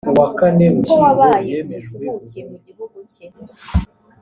kuko wabaye umusuhuke mu gihugu cye.